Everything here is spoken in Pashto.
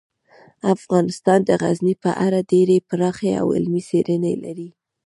افغانستان د غزني په اړه ډیرې پراخې او علمي څېړنې لري.